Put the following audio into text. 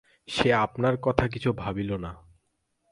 সে আপনার কথা আর কিছুই ভাবিল না।